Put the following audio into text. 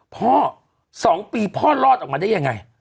๒ปีพ่อรอดออกมาได้ยังไง